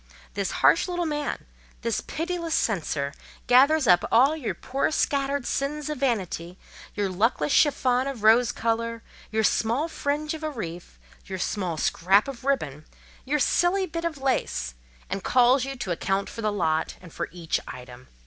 This harsh little man—this pitiless censor—gathers up all your poor scattered sins of vanity, your luckless chiffon of rose colour, your small fringe of a wreath, your small scrap of ribbon, your silly bit of lace, and calls you to account for the lot, and for each item.